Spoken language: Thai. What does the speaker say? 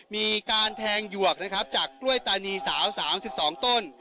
มีการแทงหยวกนะครับจากกล้วยตานีสาว๓๒ต้น